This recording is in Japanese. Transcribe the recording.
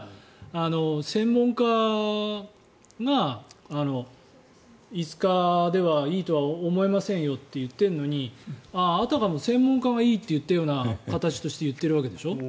専門家が５日ではいいとは思えませんよと言っているのにあたかも専門家がいいと言ったような形として言っているわけでしょ。